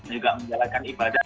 juga menjalankan ibadah